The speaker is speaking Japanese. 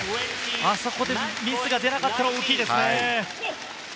あそこでミスが出なかったのが大きいですね。